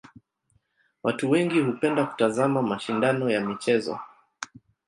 Watu wengi hupenda kutazama mashindano ya michezo.